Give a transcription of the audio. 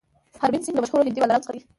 هربهن سنګ له مشهورو هندي بالرانو څخه دئ.